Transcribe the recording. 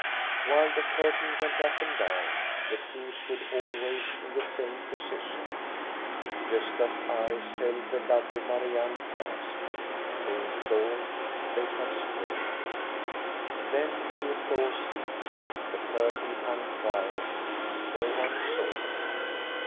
While the curtain went up and down, the two stood always in the same position, Gosta's eyes held the lovely Marianne fast; they implored; they con strained. Then the applause ceased ; the curtain hung quiet; no one saw them.